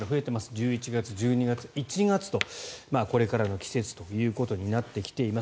１１月、１２月、１月とこれからの季節ということになってきています。